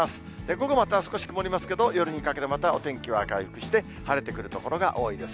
午後また少し曇りますけれども、夜にかけてお天気は回復して、晴れてくる所が多いです。